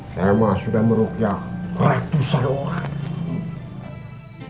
saya mah sudah merukyah ratusan orang